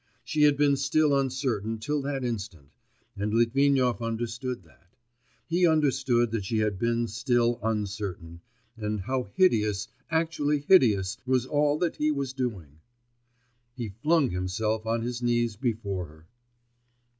She had been still uncertain till that instant, and Litvinov understood that; he understood that she had been still uncertain and how hideous, actually hideous was all that he was doing. He flung himself on his knees before her.